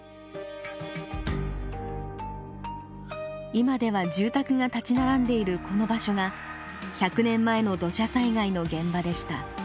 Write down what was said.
今では住宅が立ち並んでいるこの場所が１００年前の土砂災害の現場でした。